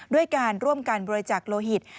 ด้วยการร่วมกันบริจาคโลหิต